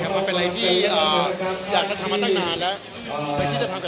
มาเป็นเรื่องที่อยากทำมาตั้งนานแล้ว